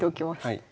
はい。